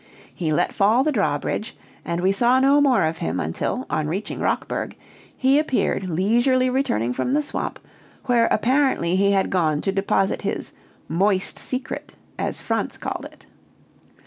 He let fall the drawbridge, and we saw no more of him until, on reaching Rockburg, he appeared leisurely returning from the swamp, where apparently he had gone to deposit his "moist secret," as Franz called it.